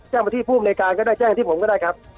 แจ้งมาที่ผู้บริการก็ได้แจ้งมาที่ผมก็ได้ครับ